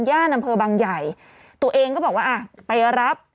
อำเภอบางใหญ่ตัวเองก็บอกว่าอ่ะไปรับ